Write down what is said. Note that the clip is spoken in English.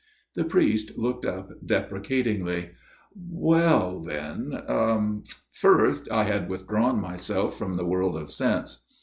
The priest looked up deprecatingly. " Well then First I had withdrawn myself from the world of sense.